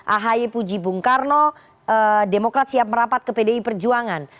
ahy puji bung karno demokrat siap merapat ke pdi perjuangan